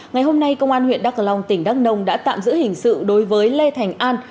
ngày hôm nay công an huyện đắk cờ long tỉnh đắk nông đã tạm giữ hình sự đối với lê thành an